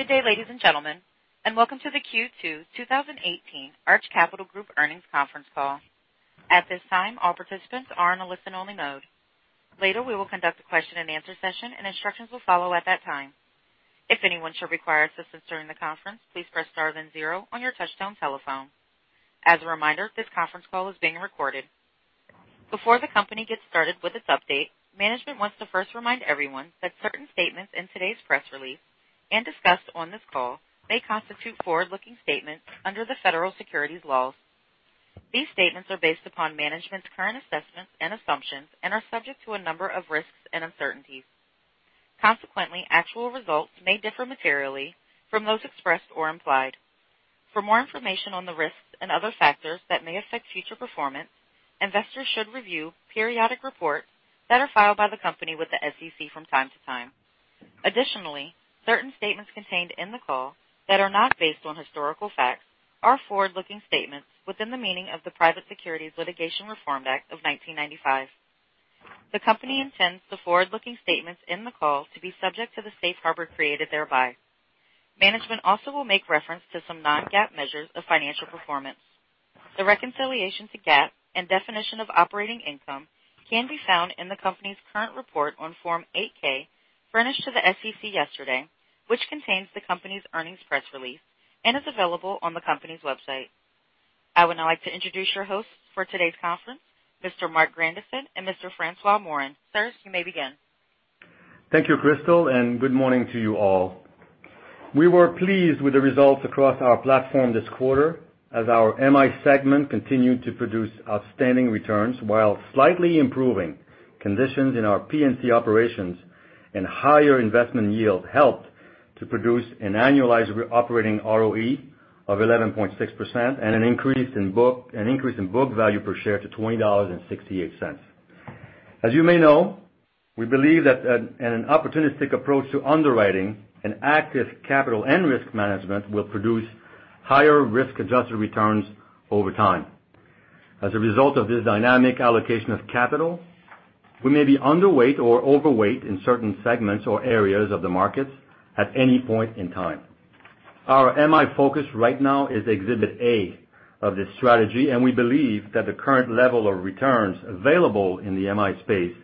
Good day, ladies and gentlemen. Welcome to the Q2 2018 Arch Capital Group earnings conference call. At this time, all participants are in a listen-only mode. Later, we will conduct a question and answer session. Instructions will follow at that time. If anyone should require assistance during the conference, please press star then zero on your touchtone telephone. As a reminder, this conference call is being recorded. Before the company gets started with its update, management wants to first remind everyone that certain statements in today's press release and discussed on this call may constitute forward-looking statements under the federal securities laws. These statements are based upon management's current assessments and assumptions and are subject to a number of risks and uncertainties. Consequently, actual results may differ materially from those expressed or implied. For more information on the risks and other factors that may affect future performance, investors should review periodic reports that are filed by the company with the SEC from time to time. Additionally, certain statements contained in the call that are not based on historical facts are forward-looking statements within the meaning of the Private Securities Litigation Reform Act of 1995. The company intends the forward-looking statements in the call to be subject to the safe harbor created thereby. Management also will make reference to some non-GAAP measures of financial performance. The reconciliation to GAAP and definition of operating income can be found in the company's current report on Form 8-K furnished to the SEC yesterday, which contains the company's earnings press release and is available on the company's website. I would now like to introduce your hosts for today's conference, Mr. Marc Grandisson and Mr. François Morin. Sirs, you may begin. Thank you, Crystal. Good morning to you all. We were pleased with the results across our platform this quarter as our MI segment continued to produce outstanding returns while slightly improving conditions in our P&C operations and higher investment yield helped to produce an annualized operating ROE of 11.6% and an increase in book value per share to $20.68. As you may know, we believe that an opportunistic approach to underwriting and active capital and risk management will produce higher risk-adjusted returns over time. As a result of this dynamic allocation of capital, we may be underweight or overweight in certain segments or areas of the markets at any point in time. Our MI focus right now is Exhibit A of this strategy. We believe that the current level of returns available in the MI space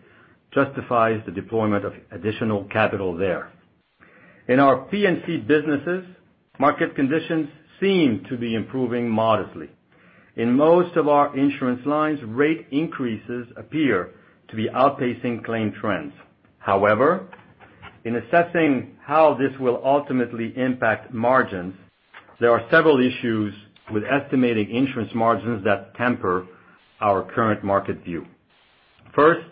justifies the deployment of additional capital there. In our P&C businesses, market conditions seem to be improving modestly. In most of our insurance lines, rate increases appear to be outpacing claim trends. However, in assessing how this will ultimately impact margins, there are several issues with estimating insurance margins that temper our current market view. First,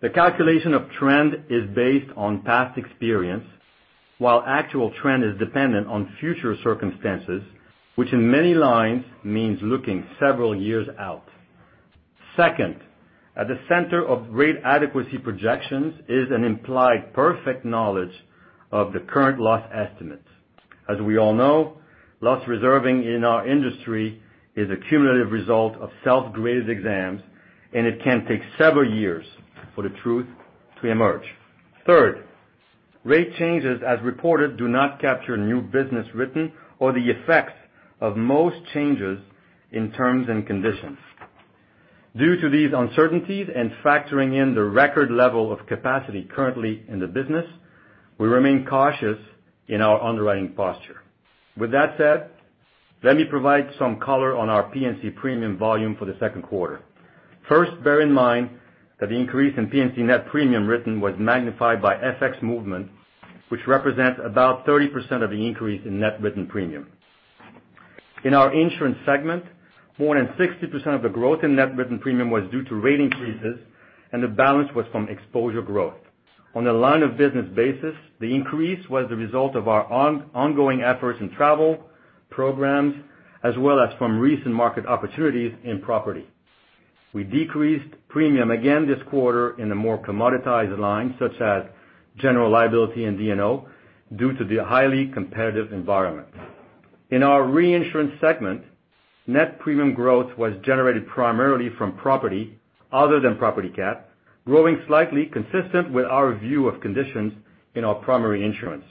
the calculation of trend is based on past experience, while actual trend is dependent on future circumstances, which in many lines means looking several years out. Second, at the center of rate adequacy projections is an implied perfect knowledge of the current loss estimates. As we all know, loss reserving in our industry is a cumulative result of self-graded exams, and it can take several years for the truth to emerge. Third, rate changes, as reported, do not capture new business written or the effects of most changes in terms and conditions. Due to these uncertainties and factoring in the record level of capacity currently in the business, we remain cautious in our underwriting posture. With that said, let me provide some color on our P&C premium volume for the second quarter. First, bear in mind that the increase in P&C net premium written was magnified by FX movement, which represents about 30% of the increase in net written premium. In our insurance segment, more than 60% of the growth in net written premium was due to rate increases, and the balance was from exposure growth. On a line of business basis, the increase was the result of our ongoing efforts in travel, programs, as well as from recent market opportunities in property. We decreased premium again this quarter in a more commoditized line, such as general liability and D&O due to the highly competitive environment. In our reinsurance segment, net premium growth was generated primarily from property other than property cat, growing slightly consistent with our view of conditions in our primary insurance.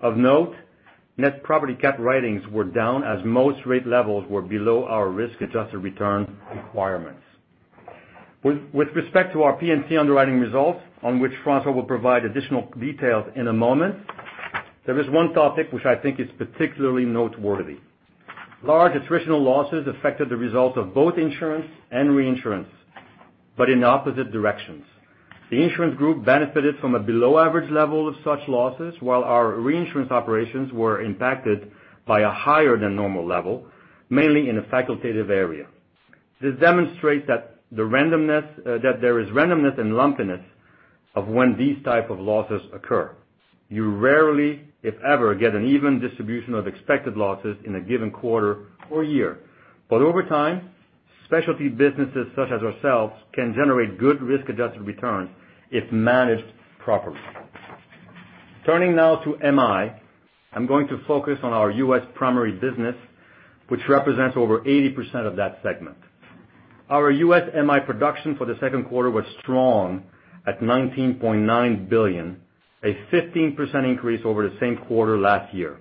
Of note, net property cat writings were down as most rate levels were below our risk-adjusted return requirements. With respect to our P&C underwriting results, on which François will provide additional details in a moment, there is one topic which I think is particularly noteworthy. Large attritional losses affected the result of both insurance and reinsurance, but in opposite directions. The insurance group benefited from a below-average level of such losses, while our reinsurance operations were impacted by a higher than normal level, mainly in a facultative area. This demonstrates that there is randomness and lumpiness of when these type of losses occur. You rarely, if ever, get an even distribution of expected losses in a given quarter or year. Over time, specialty businesses such as ourselves can generate good risk-adjusted returns if managed properly. Turning now to MI, I'm going to focus on our U.S. primary business, which represents over 80% of that segment. Our U.S. MI production for the second quarter was strong at $19.9 billion, a 15% increase over the same quarter last year.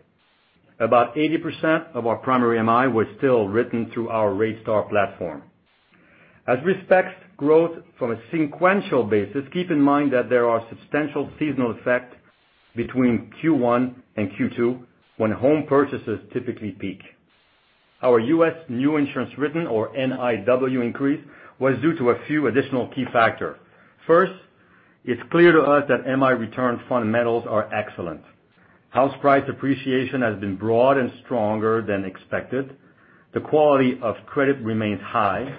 About 80% of our primary MI was still written through our RateStar platform. As respects growth from a sequential basis, keep in mind that there are substantial seasonal effects between Q1 and Q2 when home purchases typically peak. Our U.S. new insurance written, or NIW increase, was due to a few additional key factor. First, it's clear to us that MI return fundamentals are excellent. House price appreciation has been broad and stronger than expected. The quality of credit remains high,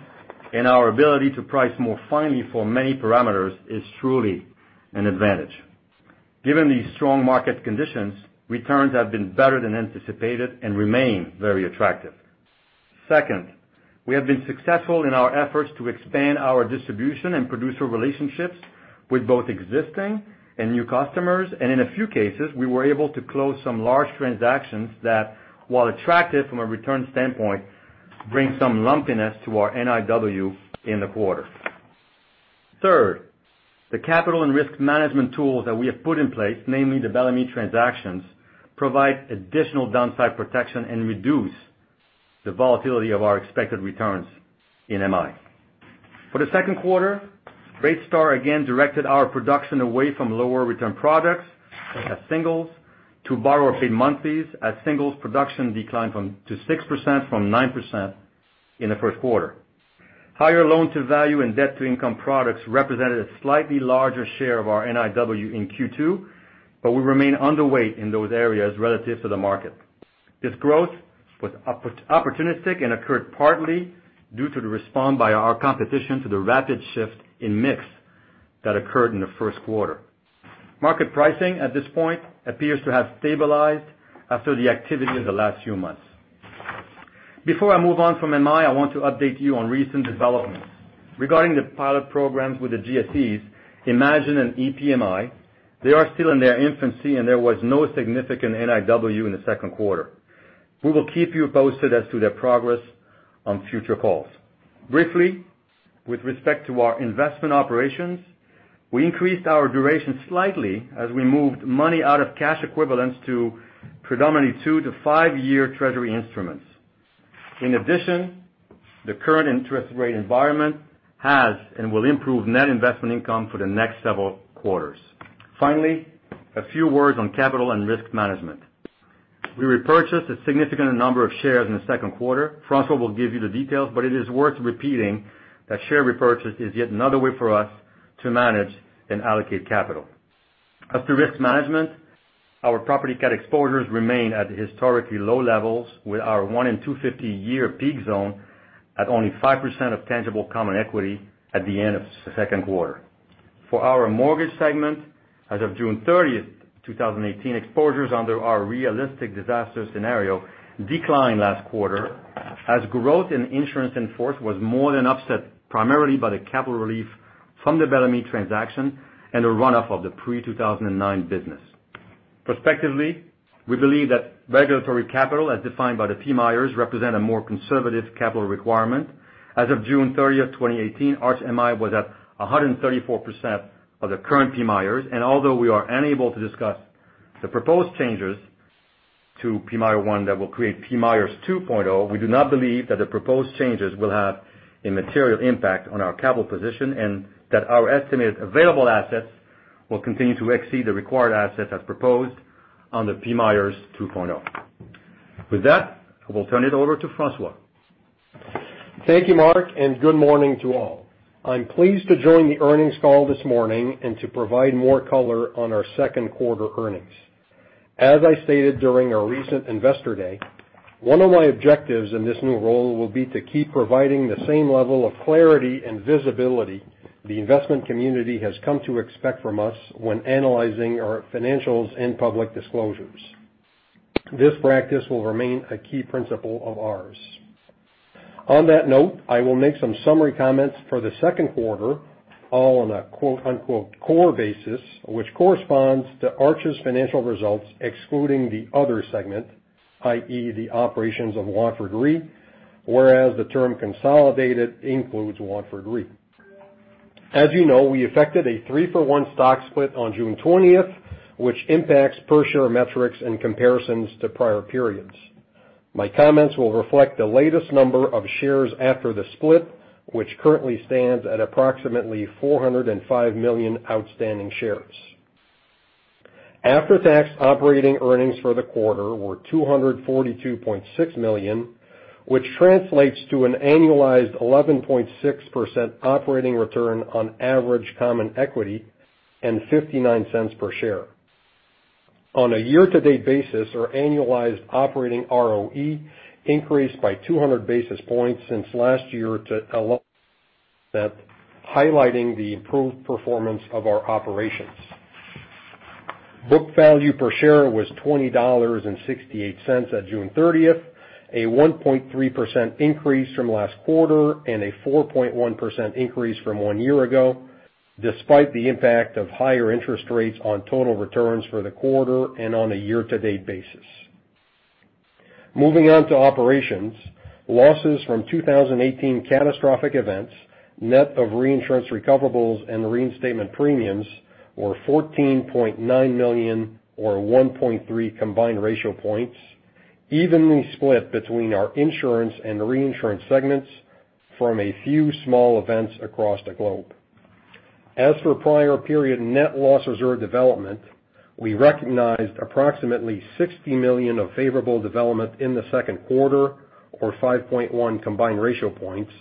and our ability to price more finely for many parameters is truly an advantage. Given these strong market conditions, returns have been better than anticipated and remain very attractive. Second, we have been successful in our efforts to expand our distribution and producer relationships with both existing and new customers, and in a few cases, we were able to close some large transactions that, while attractive from a return standpoint, bring some lumpiness to our NIW in the quarter. Third, the capital and risk management tools that we have put in place, namely the Bellemeade transactions, provide additional downside protection and reduce the volatility of our expected returns in MI. For the second quarter, RateStar again directed our production away from lower return products such as singles to borrower paid monthlies as singles production declined to 6% from 9% in the first quarter. Higher loan-to-value and debt-to-income products represented a slightly larger share of our NIW in Q2, but we remain underweight in those areas relative to the market. This growth was opportunistic and occurred partly due to the response by our competition to the rapid shift in mix that occurred in the first quarter. Market pricing at this point appears to have stabilized after the activity in the last few months. Before I move on from MI, I want to update you on recent developments. Regarding the pilot programs with the GSEs, IMAGIN and EPMI, they are still in their infancy. There was no significant NIW in the second quarter. We will keep you posted as to their progress on future calls. Briefly, with respect to our investment operations, we increased our duration slightly as we moved money out of cash equivalents to predominantly two to five-year Treasury instruments. In addition, the current interest rate environment has and will improve net investment income for the next several quarters. Finally, a few words on capital and risk management. We repurchased a significant number of shares in the second quarter. François will give you the details. It is worth repeating that share repurchase is yet another way for us to manage and allocate capital. As to risk management, our property cat exposures remain at historically low levels with our one in 250-year peak zone at only 5% of tangible common equity at the end of the second quarter. For our mortgage segment, as of June 30th, 2018, exposures under our realistic disaster scenario declined last quarter as growth in insurance in force was more than offset primarily by the capital relief from the Bellemeade transaction and the runoff of the pre-2009 business. Prospectively, we believe that regulatory capital, as defined by the PMIERs, represent a more conservative capital requirement. As of June 30th, 2018, Arch MI was at 134% of the current PMIERs. Although we are unable to discuss the proposed changes to PMIERs that will create PMIERs 2.0, we do not believe that the proposed changes will have a material impact on our capital position, and that our estimated available assets will continue to exceed the required assets as proposed under PMIERs 2.0. With that, I will turn it over to François. Thank you, Marc, and good morning to all. I am pleased to join the earnings call this morning and to provide more color on our second quarter earnings. As I stated during our recent Investor Day, one of my objectives in this new role will be to keep providing the same level of clarity and visibility the investment community has come to expect from us when analyzing our financials and public disclosures. This practice will remain a key principle of ours. On that note, I will make some summary comments for the second quarter, all on a quote-unquote core basis, which corresponds to Arch's financial results, excluding the other segment, i.e., the operations of Watford Re, whereas the term consolidated includes Watford Re. As you know, we effected a three-for-one stock split on June 20th, which impacts per-share metrics and comparisons to prior periods. My comments will reflect the latest number of shares after the split, which currently stands at approximately 405 million outstanding shares. After-tax operating earnings for the quarter were $242.6 million, which translates to an annualized 11.6% operating return on average common equity and $0.59 per share. On a year-to-date basis, our annualized operating ROE increased by 200 basis points since last year, highlighting the improved performance of our operations. Book value per share was $20.68 at June 30th, a 1.3% increase from last quarter and a 4.1% increase from one year ago, despite the impact of higher interest rates on total returns for the quarter and on a year-to-date basis. Moving on to operations. Losses from 2018 catastrophic events, net of reinsurance recoverables and reinstatement premiums, were $14.9 million, or 1.3 combined ratio points, evenly split between our insurance and reinsurance segments from a few small events across the globe. As for prior period net loss reserve development, we recognized approximately $60 million of favorable development in the second quarter, or 5.1 combined ratio points,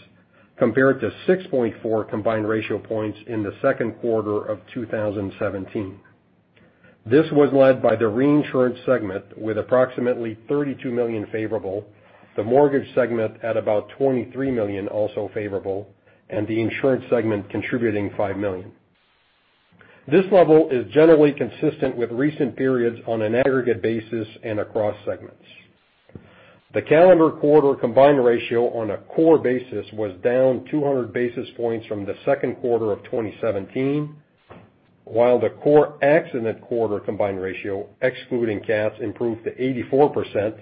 compared to 6.4 combined ratio points in the second quarter of 2017. This was led by the reinsurance segment with approximately $32 million favorable, the mortgage segment at about $23 million, also favorable, and the insurance segment contributing $5 million. This level is generally consistent with recent periods on an aggregate basis and across segments. The calendar quarter combined ratio on a core basis was down 200 basis points from the second quarter of 2017, while the core accident quarter combined ratio, excluding cats, improved to 84%,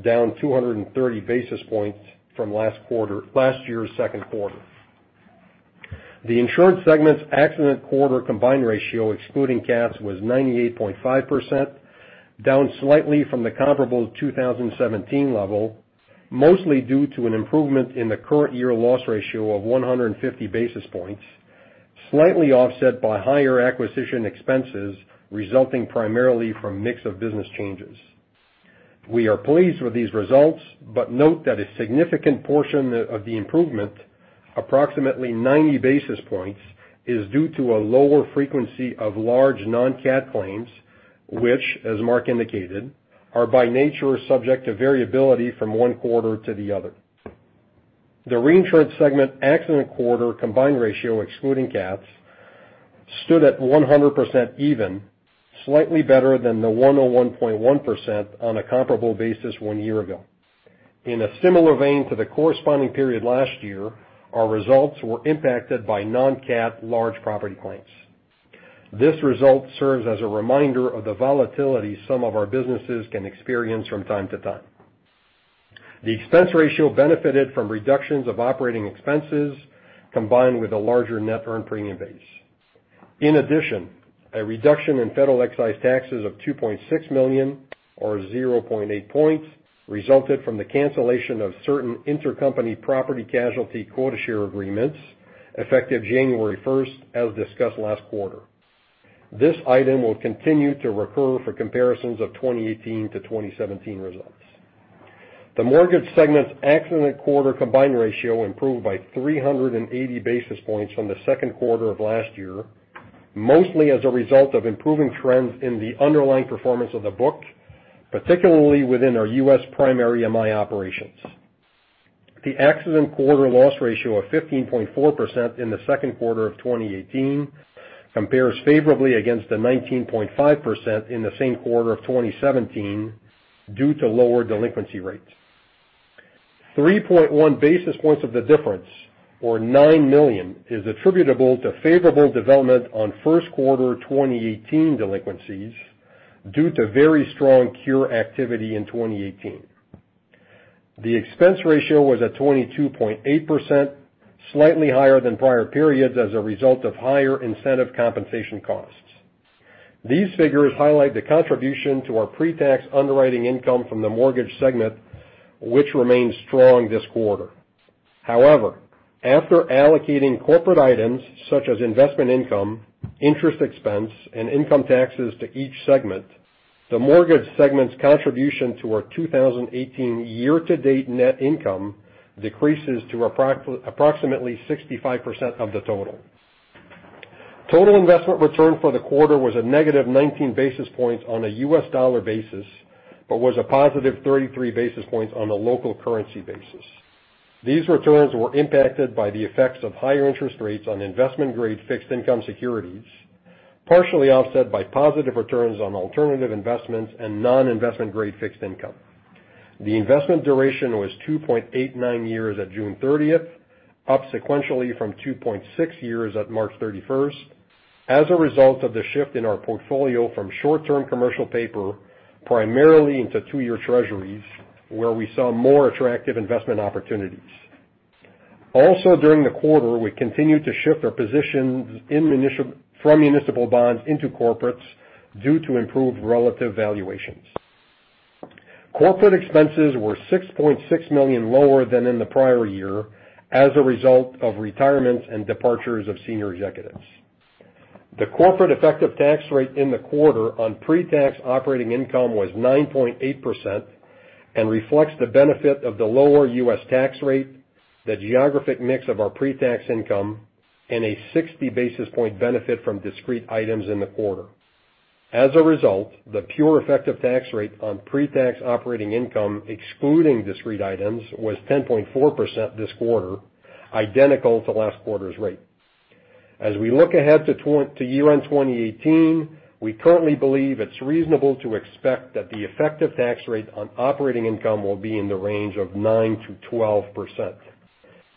down 230 basis points from last year's second quarter. The insurance segment's accident quarter combined ratio, excluding cats, was 98.5%, down slightly from the comparable 2017 level, mostly due to an improvement in the current year loss ratio of 150 basis points, slightly offset by higher acquisition expenses resulting primarily from mix of business changes. We are pleased with these results, but note that a significant portion of the improvement, approximately 90 basis points, is due to a lower frequency of large non-cat claims, which, as Marc indicated, are by nature subject to variability from one quarter to the other. The reinsurance segment accident quarter combined ratio, excluding cats, stood at 100% even, slightly better than the 101.1% on a comparable basis one year ago. In a similar vein to the corresponding period last year, our results were impacted by non-cat large property claims. This result serves as a reminder of the volatility some of our businesses can experience from time to time. The expense ratio benefited from reductions of operating expenses combined with a larger net earned premium base. In addition, a reduction in federal excise taxes of $2.6 million, or 0.8 points, resulted from the cancellation of certain intercompany property casualty quota share agreements effective January 1st, as discussed last quarter. This item will continue to recur for comparisons of 2018 to 2017 results. The mortgage segment's accident quarter combined ratio improved by 380 basis points from the second quarter of last year, mostly as a result of improving trends in the underlying performance of the book, particularly within our U.S. primary MI operations. The accident quarter loss ratio of 15.4% in the second quarter of 2018 compares favorably against the 19.5% in the same quarter of 2017 due to lower delinquency rates. 3.1 basis points of the difference, or $9 million, is attributable to favorable development on first quarter 2018 delinquencies due to very strong cure activity in 2018. The expense ratio was at 22.8%, slightly higher than prior periods as a result of higher incentive compensation costs. These figures highlight the contribution to our pre-tax underwriting income from the mortgage segment, which remained strong this quarter. After allocating corporate items such as investment income, interest expense, and income taxes to each segment, the mortgage segment's contribution to our 2018 year-to-date net income decreases to approximately 65% of the total. Total investment return for the quarter was a negative 19 basis points on a U.S. dollar basis but was a positive 33 basis points on a local currency basis. These returns were impacted by the effects of higher interest rates on investment-grade fixed income securities, partially offset by positive returns on alternative investments and non-investment-grade fixed income. The investment duration was 2.89 years at June 30th, up sequentially from 2.6 years at March 31st as a result of the shift in our portfolio from short-term commercial paper, primarily into two-year treasuries, where we saw more attractive investment opportunities. During the quarter, we continued to shift our positions from municipal bonds into corporates due to improved relative valuations. Corporate expenses were $6.6 million lower than in the prior year as a result of retirements and departures of senior executives. The corporate effective tax rate in the quarter on pre-tax operating income was 9.8% and reflects the benefit of the lower U.S. tax rate, the geographic mix of our pre-tax income, and a 60 basis point benefit from discrete items in the quarter. The pure effective tax rate on pre-tax operating income excluding discrete items was 10.4% this quarter, identical to last quarter's rate. As we look ahead to year-end 2018, we currently believe it's reasonable to expect that the effective tax rate on operating income will be in the range of 9%-12%.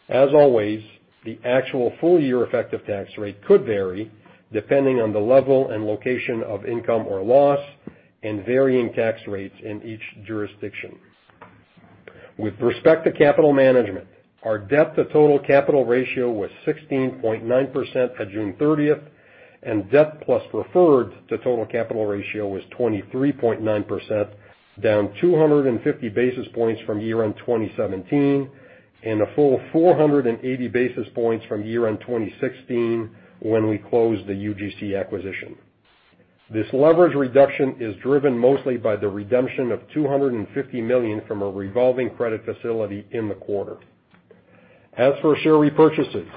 As always, the actual full-year effective tax rate could vary, depending on the level and location of income or loss and varying tax rates in each jurisdiction. With respect to capital management, our debt to total capital ratio was 16.9% at June 30th, and debt plus preferred to total capital ratio was 23.9%, down 250 basis points from year-end 2017 and a full 480 basis points from year-end 2016, when we closed the UGC acquisition. This leverage reduction is driven mostly by the redemption of $250 million from a revolving credit facility in the quarter. As for share repurchases,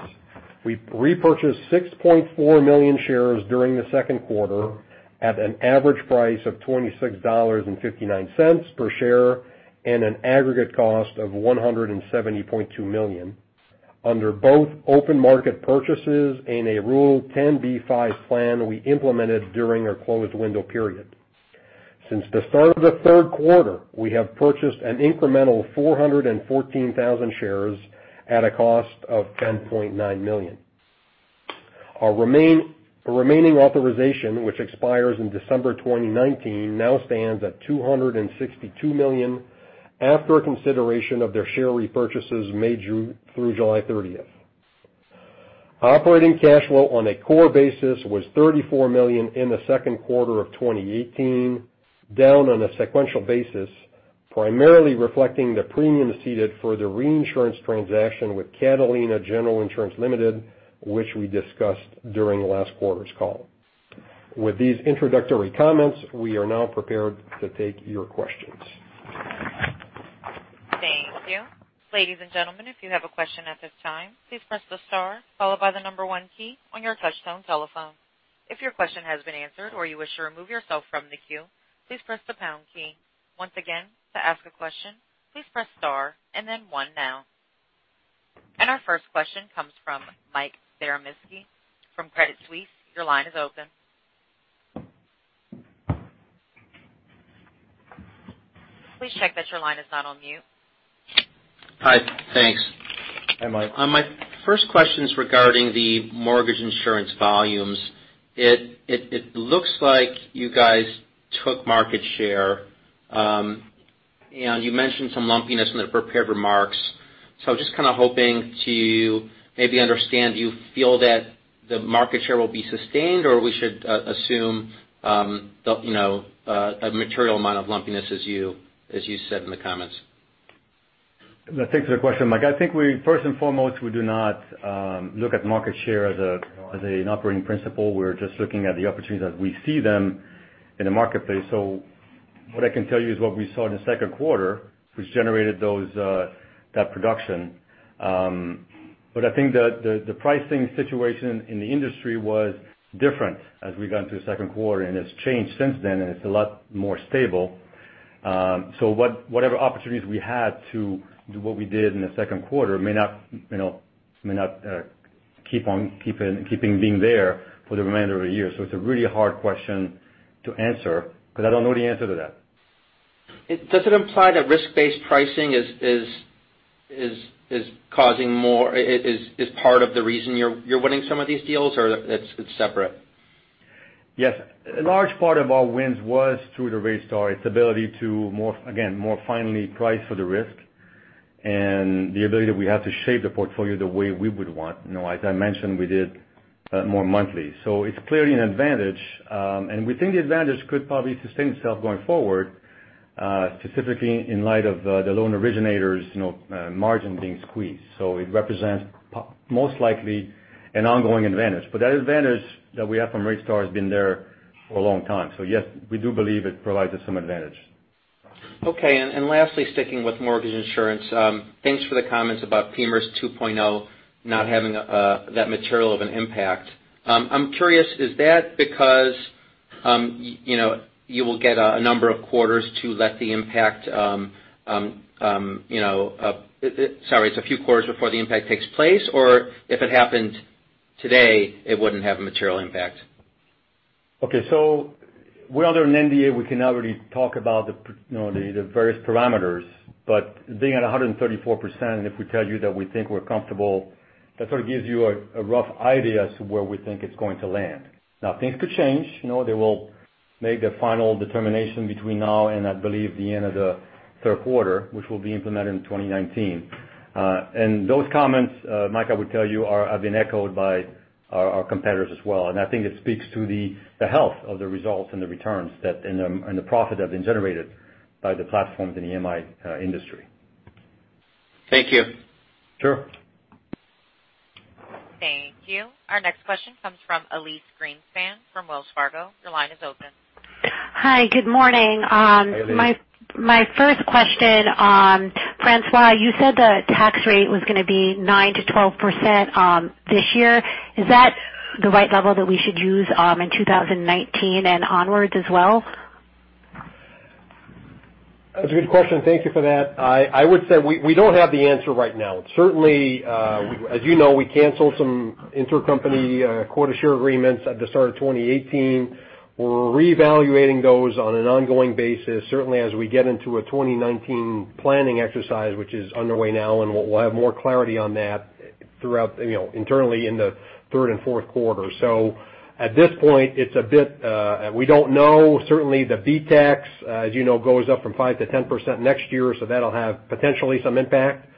we repurchased 6.4 million shares during the second quarter at an average price of $26.59 per share and an aggregate cost of $170.2 million under both open market purchases and a Rule 10b5-1 plan we implemented during our closed window period. Since the start of the third quarter, we have purchased an incremental 414,000 shares at a cost of $10.9 million. Our remaining authorization, which expires in December 2019, now stands at $262 million after a consideration of their share repurchases made through July 30th. Operating cash flow on a core basis was $34 million in the second quarter of 2018, down on a sequential basis, primarily reflecting the premium ceded for the reinsurance transaction with Catalina General Insurance Limited, which we discussed during last quarter's call. With these introductory comments, we are now prepared to take your questions. Thank you. Ladies and gentlemen, if you have a question at this time, please press the star followed by the number 1 key on your touch-tone telephone. If your question has been answered or you wish to remove yourself from the queue, please press the pound key. Once again, to ask a question, please press star and then 1 now. Our first question comes from Michael Zaremski from Credit Suisse. Your line is open. Please check that your line is not on mute. Hi. Thanks. Hi, Mike. My first question is regarding the mortgage insurance volumes. It looks like you guys took market share. You mentioned some lumpiness in the prepared remarks. Just kind of hoping to maybe understand, do you feel that the market share will be sustained, or we should assume a material amount of lumpiness as you said in the comments? Thanks for the question, Mike. I think first and foremost, we do not look at market share as an operating principle. We're just looking at the opportunities as we see them in the marketplace. What I can tell you is what we saw in the second quarter, which generated that production. I think the pricing situation in the industry was different as we got into the second quarter, and it's changed since then, and it's a lot more stable. Whatever opportunities we had to do what we did in the second quarter may not keep being there for the remainder of the year. It's a really hard question to answer, because I don't know the answer to that. Does it imply that risk-based pricing is part of the reason you're winning some of these deals, or it's separate? Yes. A large part of our wins was through the RateStar, its ability to, again, more finely price for the risk and the ability that we have to shape the portfolio the way we would want. As I mentioned, we did more monthly. It's clearly an advantage. We think the advantage could probably sustain itself going forward, specifically in light of the loan originators' margin being squeezed. It represents, most likely, an ongoing advantage. That advantage that we have from RateStar has been there for a long time. Yes, we do believe it provides us some advantage. Lastly, sticking with mortgage insurance. Thanks for the comments about PMIERs 2.0 not having that material of an impact. I'm curious, is that because you will get a number of quarters to let the impact, sorry, it's a few quarters before the impact takes place? Or if it happened today, it wouldn't have a material impact? We're under an NDA, we cannot really talk about the various parameters. Being at 134%, if we tell you that we think we're comfortable, that sort of gives you a rough idea as to where we think it's going to land. Now, things could change. They will make the final determination between now and, I believe, the end of the third quarter, which will be implemented in 2019. Those comments, Mike, I would tell you, have been echoed by our competitors as well, and I think it speaks to the health of the results and the returns and the profit that have been generated by the platforms in the MI industry. Thank you. Sure. Thank you. Our next question comes from Elyse Greenspan from Wells Fargo. Your line is open. Hi, good morning. Hi, Elyse. My first question, François, you said the tax rate was going to be 9%-12% this year. Is that the right level that we should use in 2019 and onwards as well? That's a good question. Thank you for that. I would say we don't have the answer right now. Certainly, as you know, we canceled some intercompany quota share agreements at the start of 2018. We're reevaluating those on an ongoing basis, certainly as we get into a 2019 planning exercise, which is underway now, We'll have more clarity on that internally in the third and fourth quarter. At this point, we don't know. Certainly the BEAT, as you know, goes up from 5% to 10% next year, That'll have potentially some impact.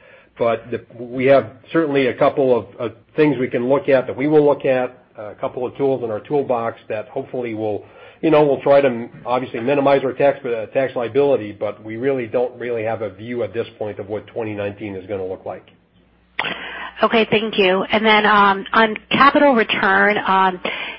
We have certainly a couple of things we can look at, that we will look at, a couple of tools in our toolbox that hopefully will try to obviously minimize our tax liability, but we really don't have a view at this point of what 2019 is going to look like. Okay, thank you. On capital return,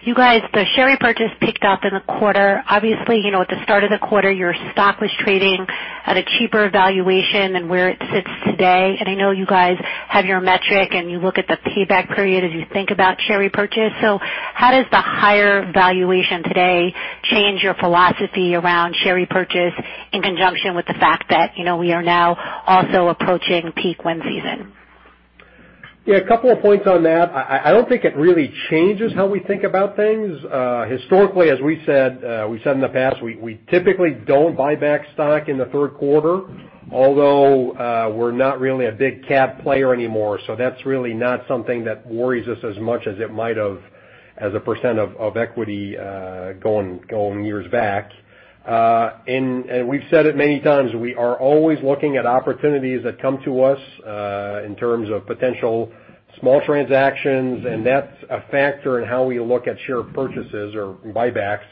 you guys, the share repurchase picked up in the quarter. Obviously, at the start of the quarter, your stock was trading at a cheaper valuation than where it sits today. I know you guys have your metric, You look at the payback period as you think about share repurchase. How does the higher valuation today change your philosophy around share repurchase in conjunction with the fact that we are now also approaching peak wind season? Yeah, a couple of points on that. I don't think it really changes how we think about things. Historically, as we said in the past, we typically don't buy back stock in the third quarter, although we're not really a big cat player anymore, so that's really not something that worries us as much as it might have as a percent of equity going years back. We've said it many times, we are always looking at opportunities that come to us in terms of potential small transactions, That's a factor in how we look at share purchases or buybacks.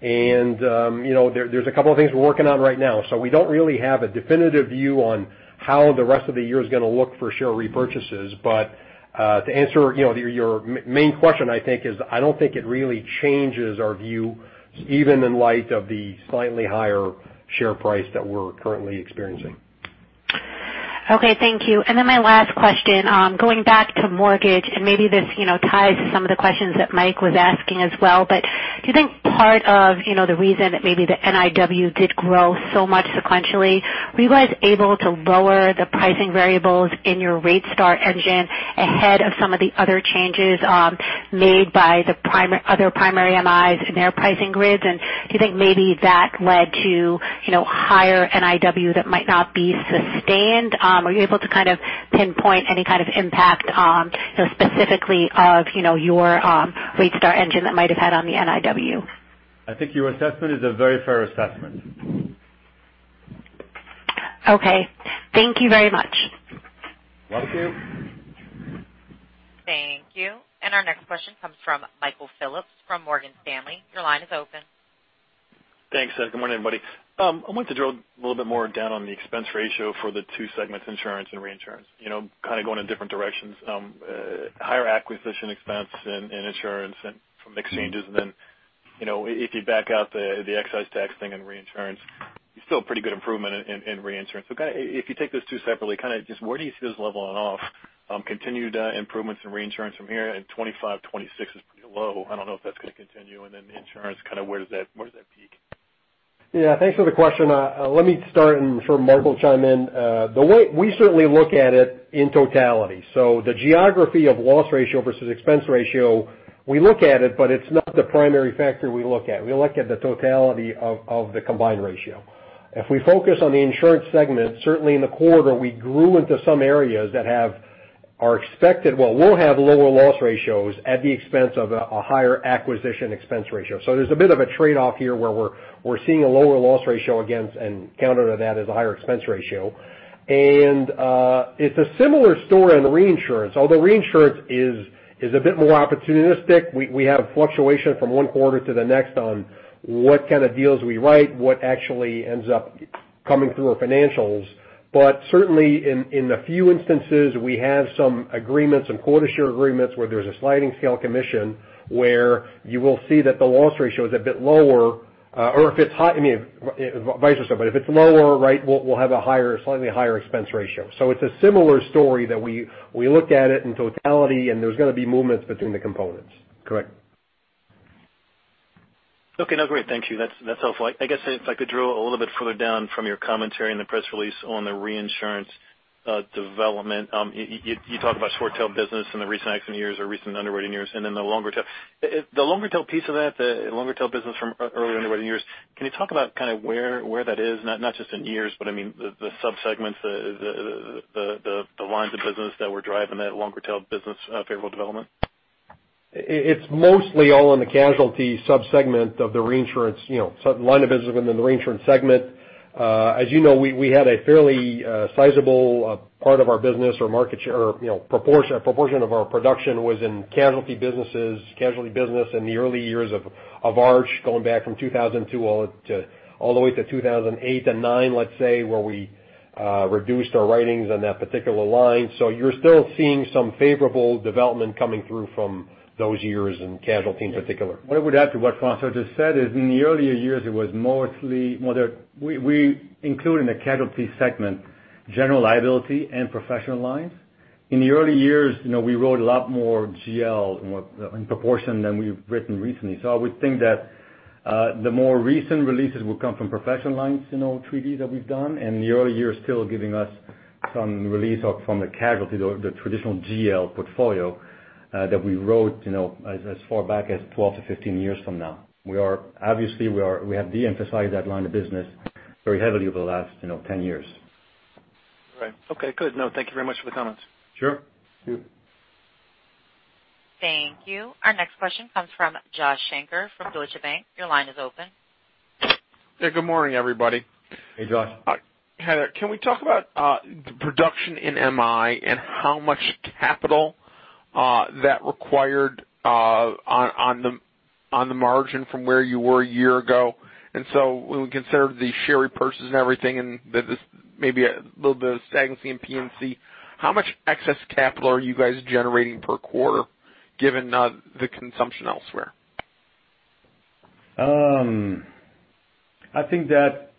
There's a couple of things we're working on right now. We don't really have a definitive view on how the rest of the year is going to look for share repurchases. To answer your main question, I think, is I don't think it really changes our view, even in light of the slightly higher share price that we're currently experiencing. Okay, thank you. My last question, going back to mortgage, and maybe this ties to some of the questions that Mike was asking as well, but do you think part of the reason that maybe the NIW did grow so much sequentially, were you guys able to lower the pricing variables in your RateStar engine ahead of some of the other changes made by the other primary MIs and their pricing grids? Do you think maybe that led to higher NIW that might not be sustained? Are you able to kind of pinpoint any kind of impact specifically of your RateStar engine that might have had on the NIW? I think your assessment is a very fair assessment. Okay. Thank you very much. Welcome. Thank you. Our next question comes from Michael Phillips from Morgan Stanley. Your line is open. Thanks. Good morning, everybody. I wanted to drill a little bit more down on the expense ratio for the two segments, insurance and reinsurance. Kind of going in different directions. Higher acquisition expense in insurance and from exchanges. If you back out the excise tax thing in reinsurance, it is still a pretty good improvement in reinsurance. If you take those two separately, kind of just where do you see this leveling off? Continued improvements in reinsurance from here, and 25, 26 is pretty low. I don't know if that is going to continue. Insurance, kind of where does that peak? Yeah. Thanks for the question. Let me start and for Marc chime in. The way we certainly look at it in totality. The geography of loss ratio versus expense ratio, we look at it, but it is not the primary factor we look at. We look at the totality of the combined ratio. If we focus on the insurance segment, certainly in the quarter, we grew into some areas that will have lower loss ratios at the expense of a higher acquisition expense ratio. There is a bit of a trade-off here where we are seeing a lower loss ratio against, and counter to that is a higher expense ratio. It is a similar story in reinsurance. Although reinsurance is a bit more opportunistic. We have fluctuation from one quarter to the next on what kind of deals we write, what actually ends up coming through our financials. Certainly in the few instances, we have some agreements, some quota share agreements, where there is a sliding scale commission where you will see that the loss ratio is a bit lower, or if it is high, vice versa. If it is lower, we will have a slightly higher expense ratio. It is a similar story that we look at it in totality, and there is going to be movements between the components. Correct. Okay. No, great. Thank you. That is helpful. I guess if I could drill a little bit further down from your commentary in the press release on the reinsurance development. You talk about short-tail business in the recent accident years or recent underwriting years, and then the longer tail. The longer tail piece of that, the longer tail business from earlier underwriting years, can you talk about kind of where that is? Not just in years, but I mean the sub-segments, the lines of business that were driving that longer tail business favorable development. It's mostly all in the casualty sub-segment of the reinsurance line of business within the reinsurance segment. As you know, we had a fairly sizable part of our business or market share, proportion of our production was in casualty business in the early years of Arch, going back from 2002 all the way to 2008 and 2009, let's say, where we reduced our writings on that particular line. You're still seeing some favorable development coming through from those years in casualty in particular. What I would add to what François just said is in the earlier years, we include in the casualty segment general liability and professional lines. In the early years, we wrote a lot more GL in proportion than we've written recently. I would think that the more recent releases will come from professional lines treaties that we've done, and the early years still giving us some release from the casualty, the traditional GL portfolio that we wrote as far back as 12 to 15 years from now. Obviously, we have de-emphasized that line of business very heavily over the last 10 years. Right. Okay, good. No, thank you very much for the comments. Sure. Thank you. Thank you. Our next question comes from Joshua Shanker from Deutsche Bank. Your line is open. Yeah, good morning, everybody. Hey, Josh. Heather, can we talk about the production in MI and how much capital that required on the margin from where you were a year ago? When we consider the share repurchases and everything, and maybe a little bit of stagnancy in P&C, how much excess capital are you guys generating per quarter given the consumption elsewhere? I think that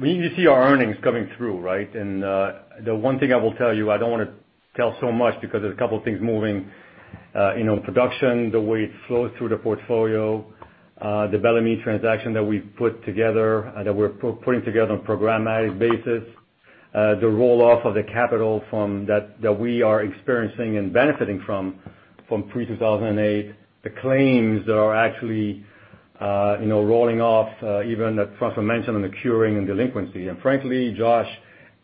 we need to see our earnings coming through, right? The one thing I will tell you, I don't want to tell so much because there's a couple of things moving. Production, the way it flows through the portfolio, the Bellemeade transaction that we're putting together on a programmatic basis. The roll-off of the capital from that we are experiencing and benefiting from pre-2008. The claims that are actually rolling off even from, as I mentioned, on the curing and delinquency. Frankly, Josh,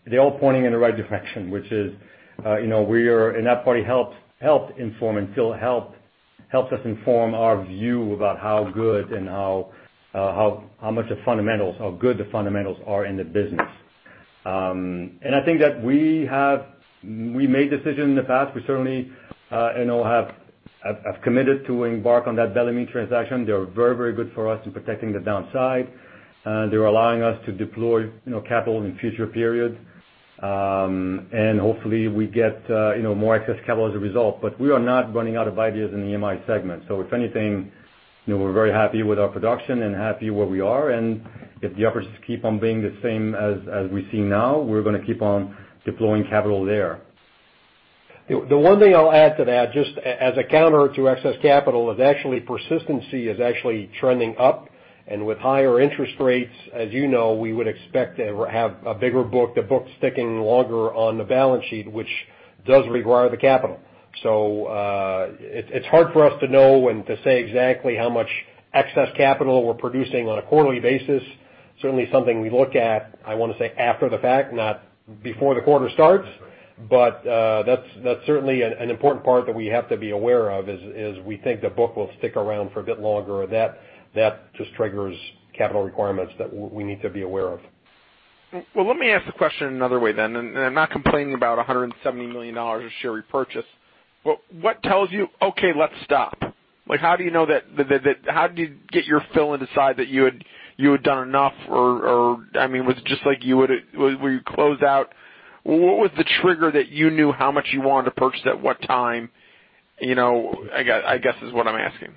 they're all pointing in the right direction, which is we are in that part helped inform and still helps us inform our view about how good the fundamentals are in the business. I think that we made decisions in the past. We certainly have committed to embark on that Bellemeade transaction. They are very good for us in protecting the downside. They're allowing us to deploy capital in future periods. Hopefully we get more excess capital as a result. We are not running out of ideas in the MI segment. If anything, we're very happy with our production and happy where we are. If the opportunities keep on being the same as we see now, we're going to keep on deploying capital there. The one thing I'll add to that, just as a counter to excess capital is actually persistency is actually trending up. With higher interest rates, as you know, we would expect to have a bigger book, the book sticking longer on the balance sheet, which does require the capital. It's hard for us to know when to say exactly how much excess capital we're producing on a quarterly basis. Certainly, something we look at, I want to say after the fact, not before the quarter starts. That's certainly an important part that we have to be aware of is we think the book will stick around for a bit longer. That just triggers capital requirements that we need to be aware of. Well, let me ask the question another way then, I'm not complaining about $170 million of share repurchase. What tells you, "Okay, let's stop"? How did you get your fill and decide that you had done enough? Was it just like you would close out? What was the trigger that you knew how much you wanted to purchase at what time, I guess is what I'm asking.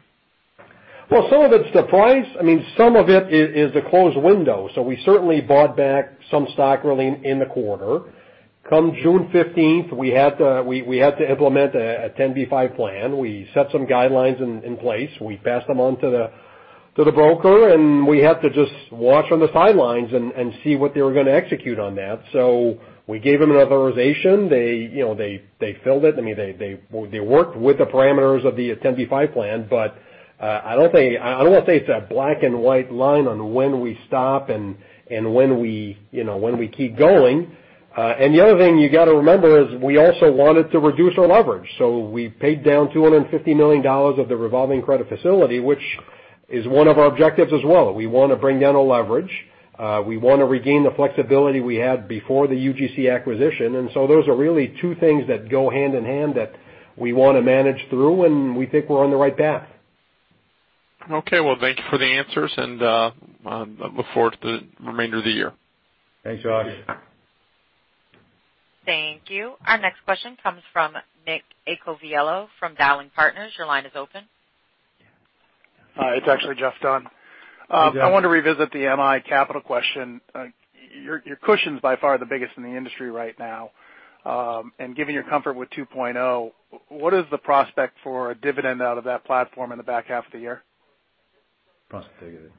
Some of it's the price. Some of it is the closed window. We certainly bought back some stock early in the quarter. Come June 15th, we had to implement a 10b5 plan. We set some guidelines in place. We passed them on to the broker, and we had to just watch on the sidelines and see what they were going to execute on that. We gave them an authorization. They filled it. They worked with the parameters of the 10b5 plan. I don't want to say it's a black and white line on when we stop and when we keep going. The other thing you got to remember is we also wanted to reduce our leverage. We paid down $250 million of the revolving credit facility, which is one of our objectives as well. We want to bring down our leverage. We want to regain the flexibility we had before the UGC acquisition. Those are really two things that go hand in hand that we want to manage through, and we think we're on the right path. Okay. Thank you for the answers, I look forward to the remainder of the year. Thanks, Josh. Thank you. Our next question comes from Nick Iacoviello from Dowling & Partners. Your line is open. Hi, it's actually Jeff Dunn. Hey, Jeff. I wanted to revisit the MI capital question. Your cushion is by far the biggest in the industry right now. Given your comfort with 2.0, what is the prospect for a dividend out of that platform in the back half of the year? Prospect dividend.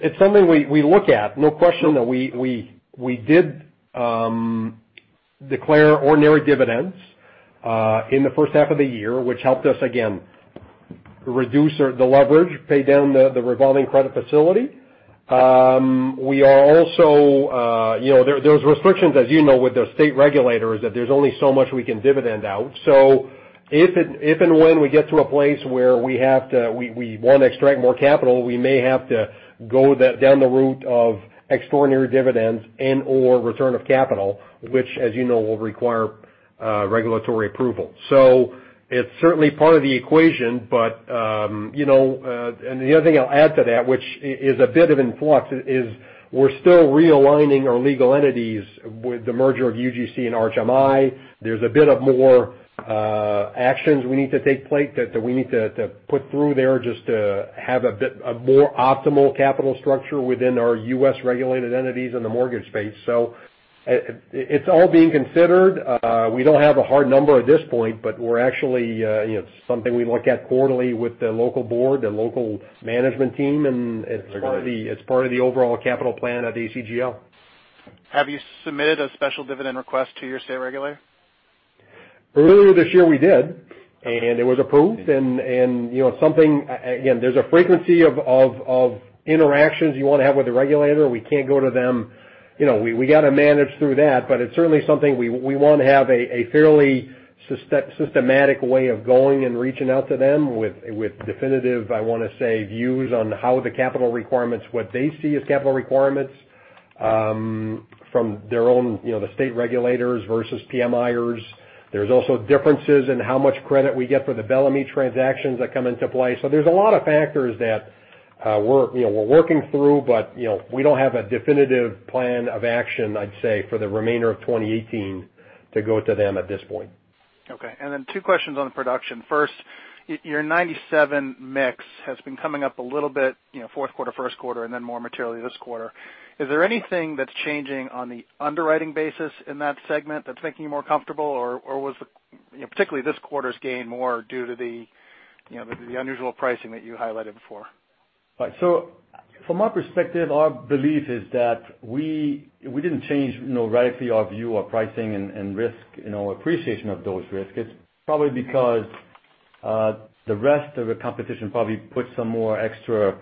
It's something we look at. No question that we did declare ordinary dividends in the first half of the year, which helped us again, reduce the leverage, pay down the revolving credit facility. There's restrictions, as you know, with the state regulators, that there's only so much we can dividend out. If and when we get to a place where we want to extract more capital, we may have to go down the route of extraordinary dividends and/or return of capital, which as you know, will require regulatory approval. It's certainly part of the equation. The other thing I'll add to that, which is a bit of in flux, is we're still realigning our legal entities with the merger of UGC and Arch MI. There's a bit of more actions we need to take place that we need to put through there just to have a more optimal capital structure within our U.S. regulated entities in the mortgage space. It's all being considered. We don't have a hard number at this point, but it's something we look at quarterly with the local board, the local management team, and it's part of the overall capital plan at ACGL. Have you submitted a special dividend request to your state regulator? Earlier this year we did, and it was approved. There's a frequency of interactions you want to have with the regulator. We can't go to them. We got to manage through that, but it's certainly something we want to have a fairly systematic way of going and reaching out to them with definitive, I want to say, views on how the capital requirements, what they see as capital requirements from the state regulators versus PMIERs. There's also differences in how much credit we get for the Bellemeade transactions that come into play. There's a lot of factors that we're working through, but we don't have a definitive plan of action, I'd say, for the remainder of 2018 to go to them at this point. Okay. Two questions on production. First, your 97 mix has been coming up a little bit fourth quarter, first quarter, and then more materially this quarter. Is there anything that's changing on the underwriting basis in that segment that's making you more comfortable, or was particularly this quarter's gain more due to the unusual pricing that you highlighted before? Right. From our perspective, our belief is that we didn't change radically our view, our pricing, and risk, appreciation of those risks. It's probably because the rest of the competition probably put some more extra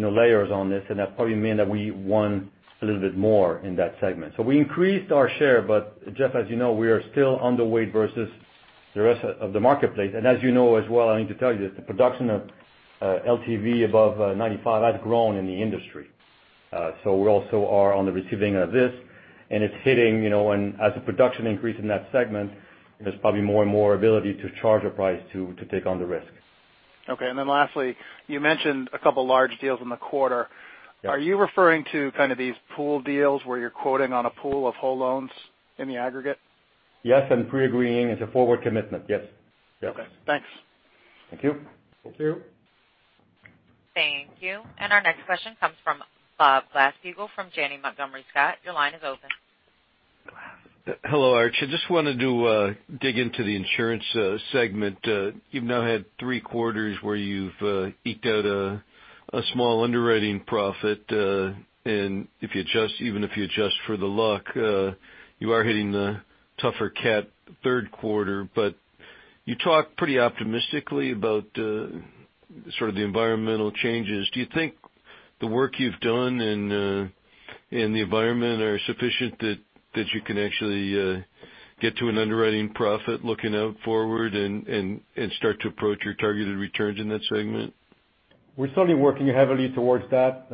layers on this, and that probably meant that we won a little bit more in that segment. We increased our share, but Jeff, as you know, we are still underweight versus the rest of the marketplace. As you know as well, I don't need to tell you this, the production of LTV above 95 has grown in the industry. We also are on the receiving of this, and it's hitting, and as the production increase in that segment, there's probably more and more ability to charge a price to take on the risk. Okay. Lastly, you mentioned a couple large deals in the quarter. Yeah. Are you referring to kind of these pool deals where you're quoting on a pool of whole loans in the aggregate? Yes, pre-agreeing is a forward commitment. Yes. Okay. Thanks. Thank you. Thank you. Thank you. Our next question comes from Bob Glasspiegel from Janney Montgomery Scott. Your line is open. Hello, Arch. I just wanted to dig into the insurance segment. You've now had three quarters where you've eked out a small underwriting profit. Even if you adjust for the luck, you are hitting the tougher CAT third quarter. You talk pretty optimistically about sort of the environmental changes. Do you think the work you've done and the environment are sufficient that you can actually get to an underwriting profit looking out forward and start to approach your targeted returns in that segment? We're certainly working heavily towards that,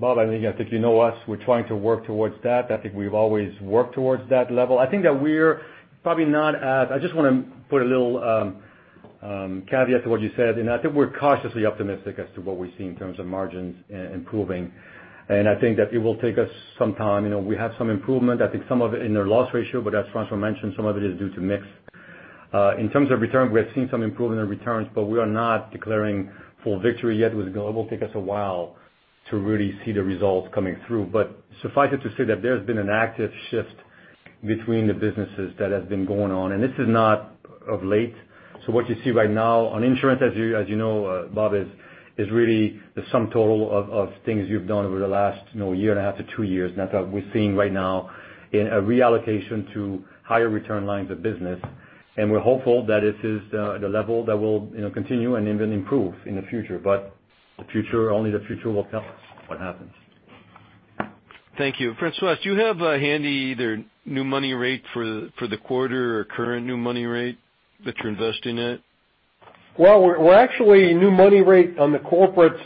Bob. I think you know us. We're trying to work towards that. I think we've always worked towards that level. I just want to put a little caveat to what you said. I think we're cautiously optimistic as to what we see in terms of margins improving. I think that it will take us some time. We have some improvement. I think some of it in their loss ratio, but as François mentioned, some of it is due to mix. In terms of returns, we are seeing some improvement in returns, but we are not declaring full victory yet. It will take us a while to really see the results coming through. Suffice it to say that there's been an active shift between the businesses that has been going on, and this is not of late. What you see right now on insurance, as you know, Bob Glasspiegel, is really the sum total of things you've done over the last year and a half to two years. I thought we're seeing right now a reallocation to higher return lines of business, and we're hopeful that it is the level that will continue and even improve in the future. Only the future will tell us what happens. Thank you. François, do you have handy either new money rate for the quarter or current new money rate that you're investing at? Well, actually new money rate on the corporates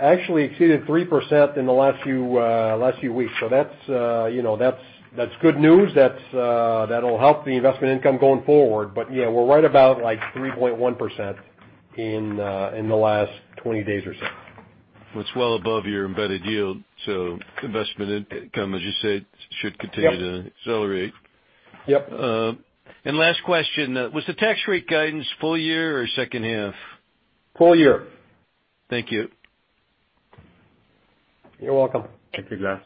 actually exceeded 3% in the last few weeks. That's good news. That'll help the investment income going forward. Yeah, we're right about 3.1% in the last 20 days or so. It's well above your embedded yield, investment income, as you said, should continue. Yep to accelerate. Yep. Last question, was the tax rate guidance full year or second half? Full year. Thank you. You're welcome. Thank you, Bob Glasspiegel.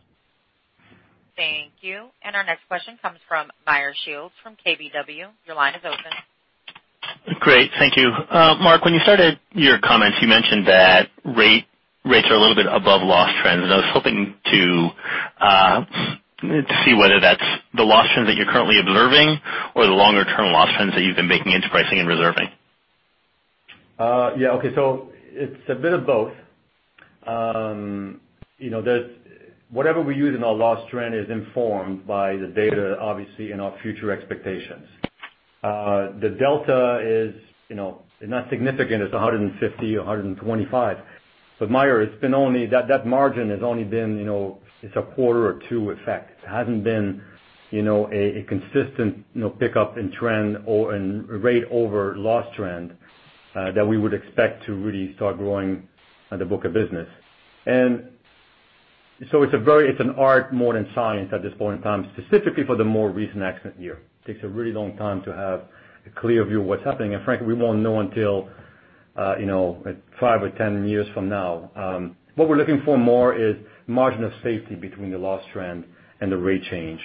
Thank you. Our next question comes from Meyer Shields from KBW. Your line is open. Great. Thank you. Marc, when you started your comments, you mentioned that rates are a little bit above loss trends, I was hoping to see whether that's the loss trends that you're currently observing or the longer-term loss trends that you've been making into pricing and reserving. Yeah. Okay. It's a bit of both. Whatever we use in our loss trend is informed by the data, obviously, and our future expectations. The delta is not significant. It's 150 or 125. Meyer, that margin has only been a quarter or two effect. It hasn't been a consistent pickup in trend or in rate over loss trend that we would expect to really start growing the book of business. It's an art more than science at this point in time, specifically for the more recent accident year. It takes a really long time to have a clear view of what's happening. Frankly, we won't know until five or 10 years from now. What we're looking for more is margin of safety between the loss trend and the rate change.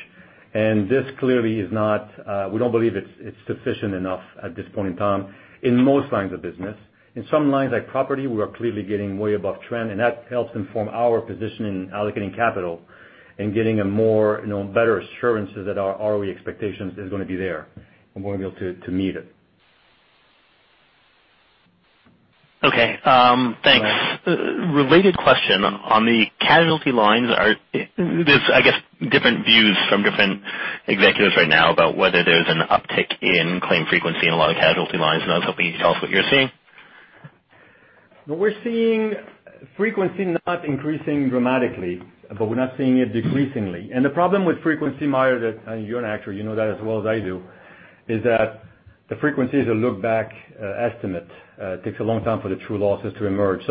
This clearly we don't believe it's sufficient enough at this point in time in most lines of business. In some lines like property, we are clearly getting way above trend, and that helps inform our positioning in allocating capital and getting a more better assurances that our ROE expectations is going to be there and we're going to be able to meet it. Okay. Thanks. Related question on the casualty lines. There's, I guess, different views from different executives right now about whether there's an uptick in claim frequency in a lot of casualty lines, I was hoping you could tell us what you're seeing. We're seeing frequency not increasing dramatically, but we're not seeing it decreasingly. The problem with frequency, Meyer, and you're an actuary, you know that as well as I do, is that the frequency is a look-back estimate. It takes a long time for the true losses to emerge.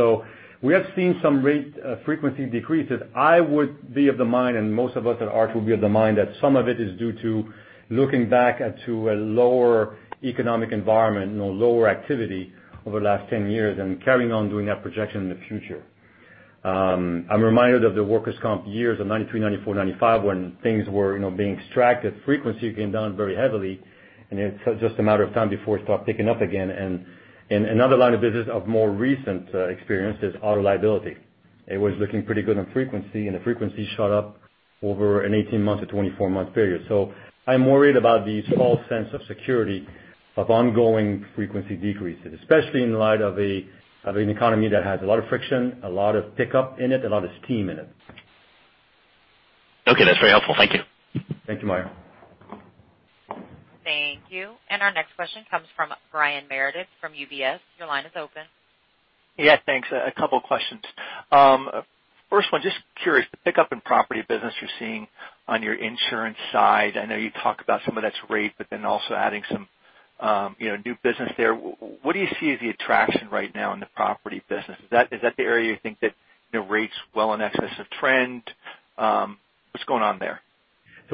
We have seen some rate frequency decreases. I would be of the mind, most of us at Arch will be of the mind, that some of it is due to looking back to a lower economic environment, lower activity over the last 10 years and carrying on doing that projection in the future. I'm reminded of the workers' comp years of 1993, 1994, 1995, when things were being extracted. Frequency came down very heavily, it's just a matter of time before it starts picking up again. Another line of business of more recent experience is auto liability. It was looking pretty good on frequency, the frequency shot up over an 18-month to 24-month period. I'm worried about the small sense of security of ongoing frequency decreases, especially in light of an economy that has a lot of friction, a lot of pickup in it, a lot of steam in it. Okay, that's very helpful. Thank you. Thank you, Meyer. Thank you. Our next question comes from Brian Meredith from UBS. Your line is open. Yeah, thanks. A couple of questions. First one, just curious, the pickup in property business you're seeing on your insurance side. I know you talk about some of that's rate, also adding some new business there. What do you see as the attraction right now in the property business? Is that the area you think that rates well in excess of trend? What's going on there?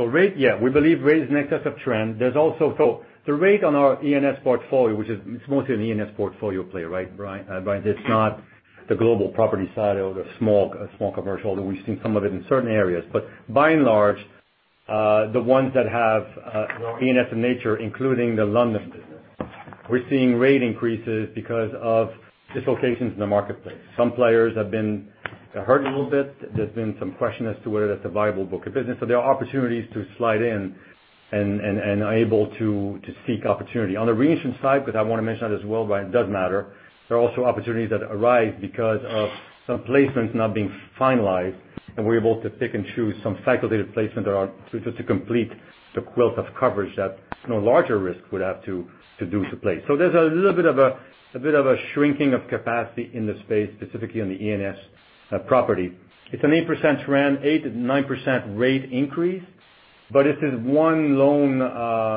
Rate, yeah, we believe rate is in excess of trend. The rate on our E&S portfolio, which is mostly an E&S portfolio play, right, Brian? It's not the global property side or the small commercial, although we've seen some of it in certain areas. By and large, the ones that have E&S in nature, including the London business, we're seeing rate increases because of dislocations in the marketplace. Some players have been hurt a little bit. There's been some question as to whether that's a viable book of business. There are opportunities to slide in and are able to seek opportunity. On the reinsurance side, because I want to mention that as well, Brian, it does matter. There are also opportunities that arise because of some placements not being finalized, and we're able to pick and choose some facultative placements to complete the quilt of coverage that larger risk would have to do to place. There's a little bit of a shrinking of capacity in the space, specifically on the E&S property. It's an 8%-9% rate increase. It is one lone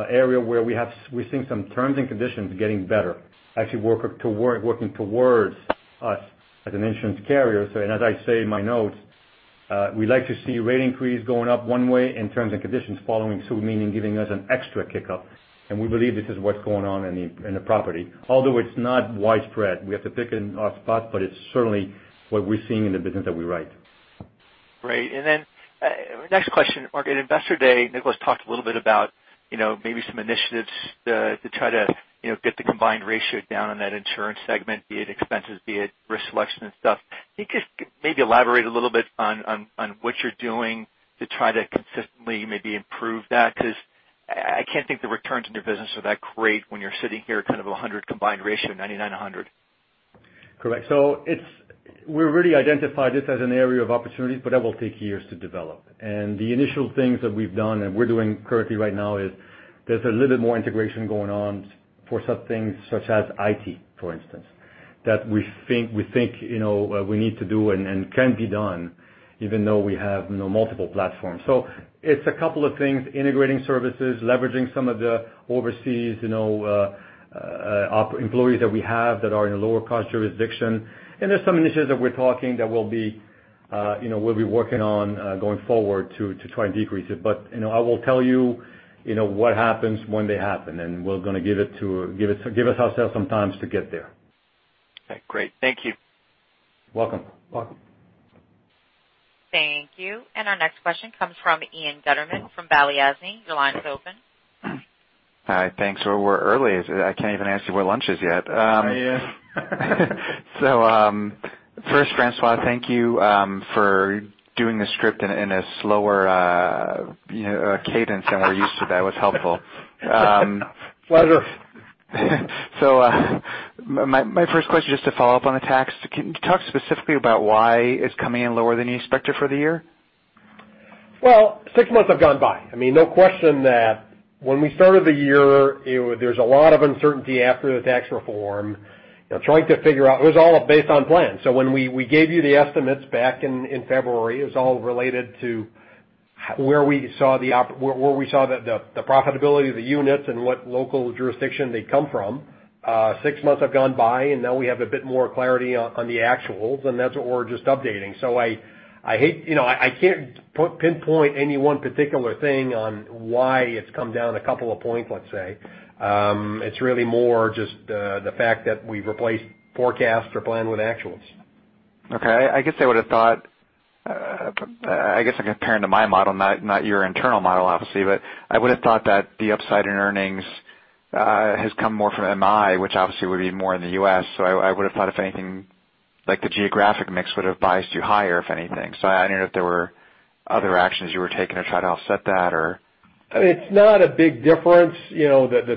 area where we're seeing some terms and conditions getting better, actually working towards us as an insurance carrier. As I say in my notes, we like to see rate increase going up one way and terms and conditions following suit, meaning giving us an extra kick up. We believe this is what's going on in the property. Although it's not widespread, we have to pick and choose spots, but it's certainly what we're seeing in the business that we write. Great. Next question, Marc. At Investor Day, Nicholas talked a little bit about maybe some initiatives to try to get the combined ratio down on that insurance segment, be it expenses, be it risk selection and stuff. Can you just maybe elaborate a little bit on what you're doing to try to consistently maybe improve that? I can't think the returns on your business are that great when you're sitting here at kind of 100 combined ratio, 99, 100. Correct. We've already identified this as an area of opportunity, but that will take years to develop. The initial things that we've done and we're doing currently right now is there's a little bit more integration going on for some things such as IT, for instance, that we think we need to do and can be done even though we have multiple platforms. It's a couple of things, integrating services, leveraging some of the overseas employees that we have that are in a lower cost jurisdiction. There's some initiatives that we're talking that we'll be working on going forward to try and decrease it. I will tell you what happens when they happen, and we're going to give ourselves some time to get there. Okay, great. Thank you. Welcome. Thank you. Our next question comes from Ian Gutterman from Balyasny. Your line is open. Hi. Thanks. We're early. I can't even ask you where lunch is yet. Yeah. François, thank you for doing the script in a slower cadence than we're used to. That was helpful. Pleasure. My first question, just to follow up on the tax. Can you talk specifically about why it's coming in lower than you expected for the year? Well, 6 months have gone by. No question that when we started the year, there was a lot of uncertainty after the tax reform, trying to figure out. It was all based on plans. When we gave you the estimates back in February, it was all related to where we saw the profitability of the units and what local jurisdiction they come from. 6 months have gone by, and now we have a bit more clarity on the actuals, and that's what we're just updating. I can't pinpoint any one particular thing on why it's come down a couple of points, let's say. It's really more just the fact that we've replaced forecasts or plan with actuals. Okay. I guess comparing to my model, not your internal model, obviously, but I would have thought that the upside in earnings has come more from MI, which obviously would be more in the U.S. I would have thought, if anything. Like the geographic mix would have biased you higher, if anything. I don't know if there were other actions you were taking to try to offset that or? It's not a big difference. The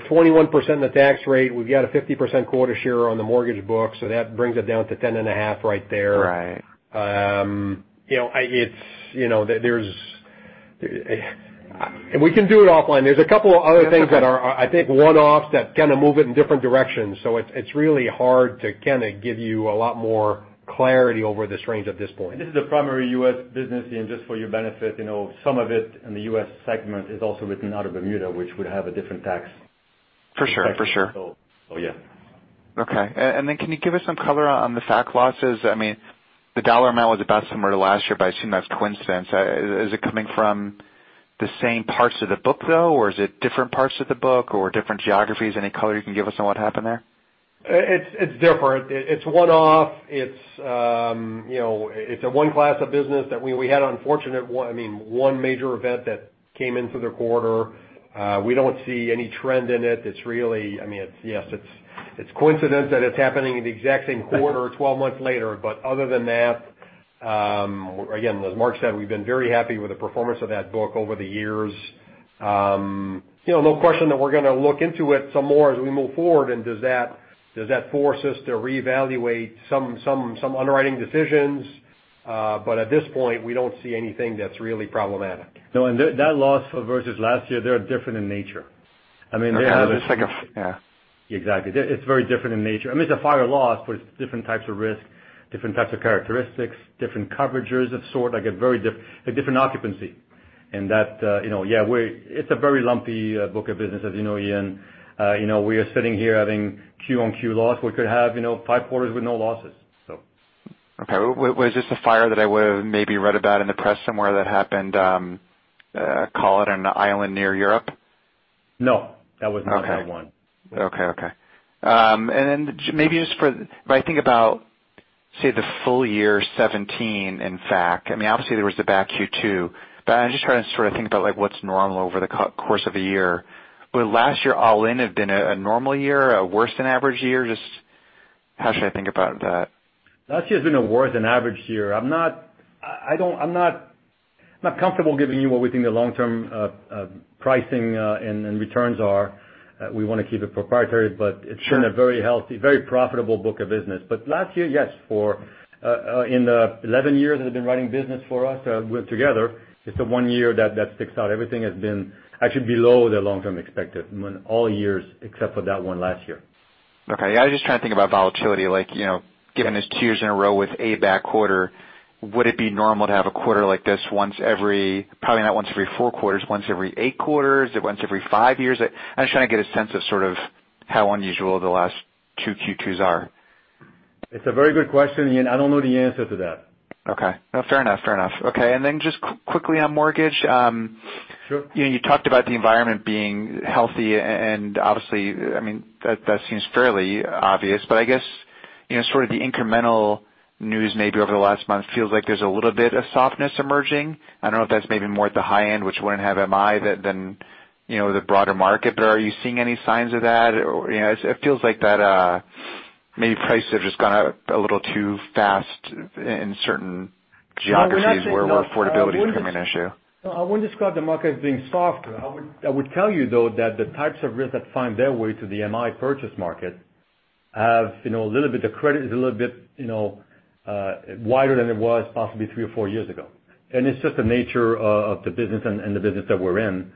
21%, the tax rate, we've got a 50% quarter share on the mortgage book, so that brings it down to 10.5 right there. Right. We can do it offline. There's a couple other things that are, I think, one-offs that kind of move it in different directions. It's really hard to kind of give you a lot more clarity over this range at this point. This is a primary U.S. business, Ian, just for your benefit. Some of it in the U.S. segment is also written out of Bermuda, which would have a different tax. For sure. Yeah. Okay. Can you give us some color on the cat losses? The dollar amount was about similar to last year, I assume that's coincidence. Is it coming from the same parts of the book, though, or is it different parts of the book or different geographies? Any color you can give us on what happened there? It's different. It's one-off. It's a one class of business that we had unfortunate, one major event that came in through the quarter. We don't see any trend in it. It's coincidence that it's happening in the exact same quarter 12 months later. Other than that, again, as Marc said, we've been very happy with the performance of that book over the years. No question that we're going to look into it some more as we move forward, and does that force us to reevaluate some underwriting decisions? At this point, we don't see anything that's really problematic. No, that loss versus last year, they are different in nature. Okay. Yeah. Exactly. It's very different in nature. I mean, it's a fire loss, but it's different types of risk, different types of characteristics, different coverages of sort, like a different occupancy. That, yeah, it's a very lumpy book of business, as you know, Ian. We are sitting here having Q-on-Q loss. We could have five quarters with no losses, so. Okay. Was this the fire that I would've maybe read about in the press somewhere that happened, call it on an island near Europe? No. That was not that one. Okay. Then maybe just for, if I think about, say, the full year 2017, in fact. Obviously there was the bad Q2. I'm just trying to sort of think about what's normal over the course of a year. Would last year all in have been a normal year, a worse than average year? Just how should I think about that? Last year's been a worse than average year. I'm not comfortable giving you what we think the long-term pricing and returns are. We want to keep it proprietary, but it's been a very healthy, very profitable book of business. Last year, yes, in the 11 years that they've been writing business for us together, it's the one year that sticks out. Everything has been actually below the long-term expected, all years except for that one last year. Okay. Yeah, I was just trying to think about volatility, given it's two years in a row with a bad quarter. Would it be normal to have a quarter like this once every, probably not once every four quarters, once every eight quarters, once every five years? I'm just trying to get a sense of sort of how unusual the last two Q2s are. It's a very good question, Ian. I don't know the answer to that. Okay. No, fair enough. Okay, just quickly on mortgage. Sure. You talked about the environment being healthy, obviously, that seems fairly obvious, I guess, sort of the incremental news maybe over the last month feels like there's a little bit of softness emerging. I don't know if that's maybe more at the high end, which wouldn't have MI than the broader market. Are you seeing any signs of that? It feels like that maybe prices have just gone up a little too fast in certain geographies where affordability become an issue. I wouldn't describe the market as being softer. I would tell you, though, that the types of risk that find their way to the MI purchase market have a little bit of credit, is a little bit wider than it was possibly three or four years ago. It's just the nature of the business and the business that we're in.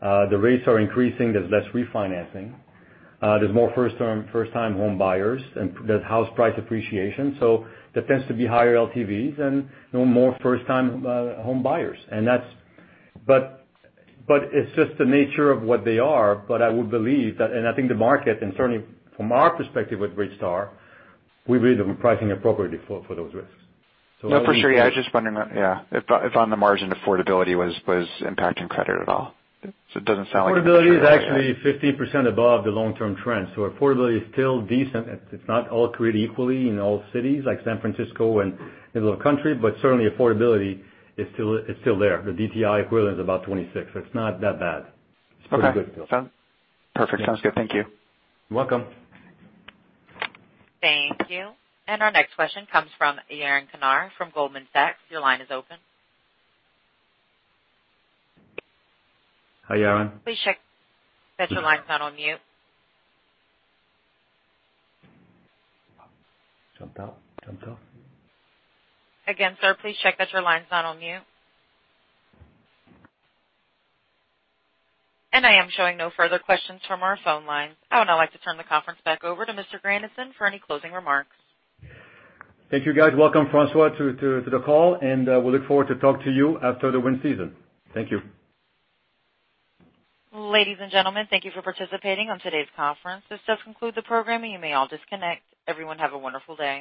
The rates are increasing. There's less refinancing. There's more first-time home buyers, and there's house price appreciation. There tends to be higher LTVs and more first-time home buyers. It's just the nature of what they are. I would believe that, and I think the market, and certainly from our perspective with RateStar, we believe that we're pricing appropriately for those risks. For sure. Yeah, I was just wondering if on the margin affordability was impacting credit at all. Affordability is actually 15% above the long-term trend, so affordability is still decent. It's not all created equally in all cities like San Francisco and middle of country, but certainly affordability is still there. The DTI equivalent is about 26. It's not that bad. Okay. It's pretty good still. Perfect. Sounds good. Thank you. You're welcome. Thank you. Our next question comes from Yaron Kinar from Goldman Sachs. Your line is open. Hi, Yaron. Please check that your line's not on mute. Jumped out. Jumped off. Again, sir, please check that your line's not on mute. I am showing no further questions from our phone lines. I would now like to turn the conference back over to Mr. Grandisson for any closing remarks. Thank you, guys. Welcome, François, to the call, and we look forward to talk to you after the wind season. Thank you. Ladies and gentlemen, thank you for participating on today's conference. This does conclude the program, and you may all disconnect. Everyone, have a wonderful day.